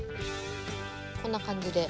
こんな感じで？